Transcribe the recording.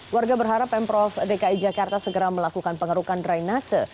warga berharap pemprov dki jakarta segera melakukan pengerukan drainase